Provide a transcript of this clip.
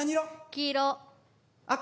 黄色。